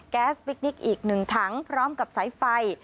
แก๊สพิคนิคอีก๑ถังพร้อมกับสายไฟ